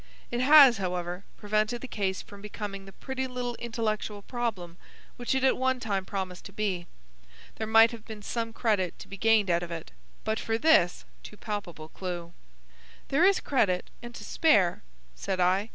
It has, however, prevented the case from becoming the pretty little intellectual problem which it at one time promised to be. There might have been some credit to be gained out of it, but for this too palpable clue." "There is credit, and to spare," said I.